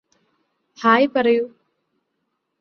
hi പറയൂ